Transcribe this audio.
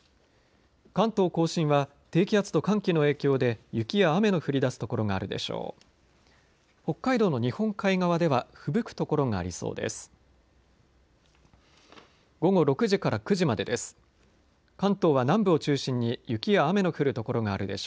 関東甲信は低気圧と寒気の影響で雪や雨の降りだす所があるでしょう。